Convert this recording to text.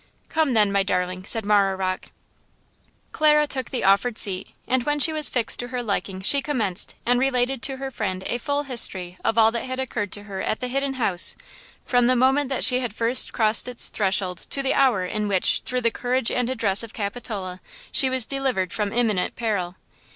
"Come, then, my darling!" said Marah Rocke. Clara took the offered seat, and when she was fixed to her liking she commenced and related to her friend a full history of all that had occurred to her at the Hidden House from the moment that she had first crossed its threshold to the hour in which, through the courage and address of Capitola, she was delivered from imminent peril.